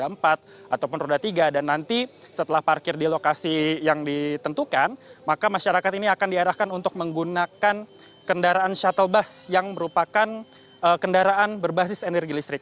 yang memang tersedia bagi ribuan kendaraan baik itu roda empat ataupun roda tiga dan nanti setelah parkir di lokasi yang ditentukan maka masyarakat ini akan diarahkan untuk menggunakan kendaraan shuttle bus yang merupakan kendaraan berbasis energi listrik